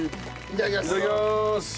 いただきます。